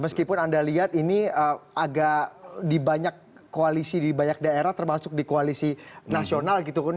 meskipun anda lihat ini agak di banyak koalisi di banyak daerah termasuk di koalisi nasional gitu kan